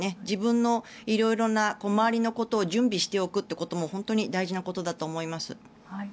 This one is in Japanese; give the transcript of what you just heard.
自分の色々な周りのことを準備しておくことも本当に大事なことだと思います。